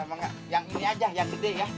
emang yang ini aja yang gede ya